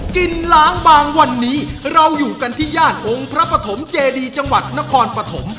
กินล้างบางวันนี้เราอยู่กันที่ญาติองค์พระปฐมเจดีจังหวัดนครปฐม